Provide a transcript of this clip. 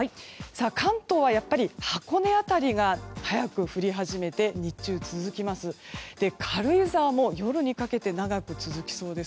関東は箱根辺りで早く降り始めて、日中続きます。